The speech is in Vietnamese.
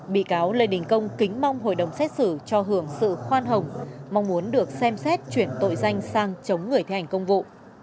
bị cáo lê đình công kính mong hội đồng xét xử cho hưởng sự khoan hồng mong muốn được xem xét chuyển tội danh sang chống người thi hành công vụ